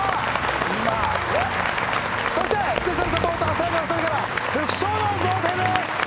今そしてスペシャルサポーターさや家の２人から副賞の贈呈です